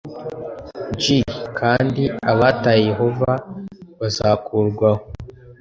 g kandi abataye yehova bazakurwaho